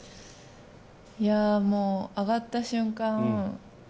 もう上がった瞬間